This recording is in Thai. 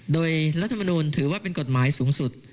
โดยรัฐมนูลถือว่าเป็นกฎหมายสูงสุด